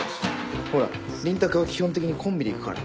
ほら臨宅は基本的にコンビで行くから。